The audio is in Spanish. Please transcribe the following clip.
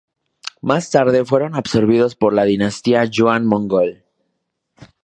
Más tarde fueron absorbidos por la dinastía Yuan mongol.